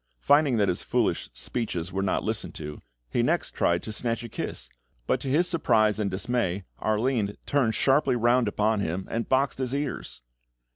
Finding that his foolish speeches were not listened to, he next tried to snatch a kiss, but to his surprise and dismay, Arline turned sharply round upon him and boxed his ears!